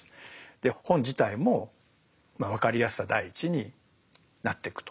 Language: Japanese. で本自体も分かりやすさ第一になってくと。